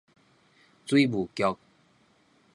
水務局